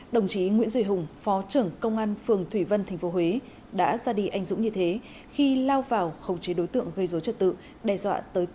đồng chí nguyễn duy hùng phó trưởng công an phường thủy vân tp huế đã ra đi anh dũng như thế khi lao vào khống chế đối tượng gây dối trật tự đe dọa tới tỉnh